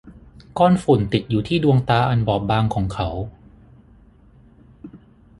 ก้อนฝุ่นติดอยู่ที่ดวงตาอันบอบบางของเขา